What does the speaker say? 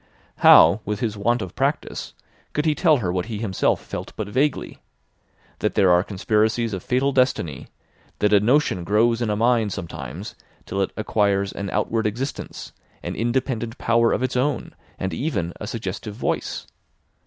How with his want of practice could he tell her what he himself felt but vaguely: that there are conspiracies of fatal destiny, that a notion grows in a mind sometimes till it acquires an outward existence, an independent power of its own, and even a suggestive voice?